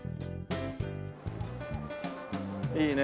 いいね。